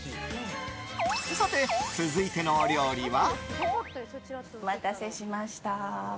さて、続いてのお料理は？